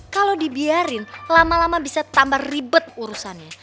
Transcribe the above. kalau dibiarin lama lama bisa tambah ribet urusannya